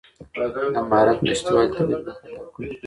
د مهارت نشتوالي د توليد مخه ډب کړه.